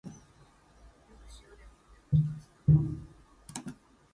Certainly his feast is not mentioned in any surviving pre-conquest calendar.